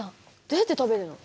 どうやって食べるの？